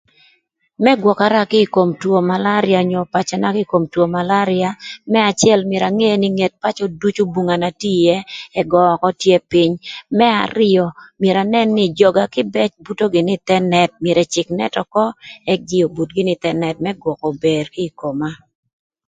Më gwökara kï ï kom two malarïa onyo pacöna kï ï kom two malarïa më acël myero ange nï nget pacö duc bunga na tye ïë ëgö ökö tye pïny, më arïö myero anën nï jöga kïbëc buto gïnï ï thë net myero ëcïk net ökö ëk jïï obut gïnï ï thë net më gwökö ober kï koma.